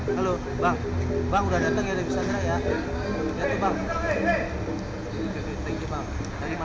halo bang bang udah dateng ya dari bistandra ya